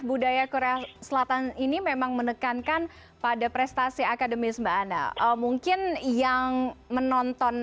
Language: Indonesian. budaya korea selatan ini memang menekankan pada prestasi akademis mbak ana mungkin yang menonton